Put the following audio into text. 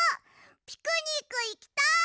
ピクニックいきたい！